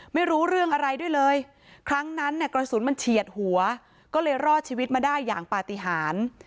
ไม่รู้เรื่องอะไรด้วยเลยครั้งนั้นเนี่ยกระสุนมันเฉียดหัวก็เลยรอดชีวิตมาได้อย่างปฏิหาร